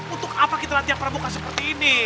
untuk apa kita latihan prabuka seperti ini